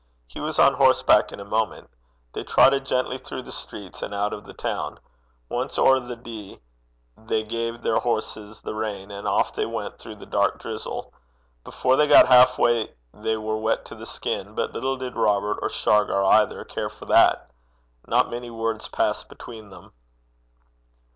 He was on horseback in a moment. They trotted gently through the streets, and out of the town. Once over the Dee, they gave their horses the rein, and off they went through the dark drizzle. Before they got half way they were wet to the skin; but little did Robert, or Shargar either, care for that. Not many words passed between them.